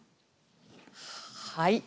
はい。